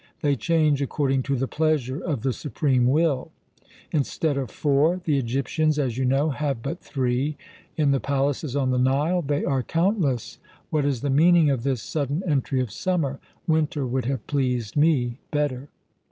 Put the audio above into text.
They change according to the pleasure of the supreme will. Instead of four, the Egyptians, as you know, have but three; in the palaces on the Nile they are countless. What is the meaning of this sudden entry of summer? Winter would have pleased me better."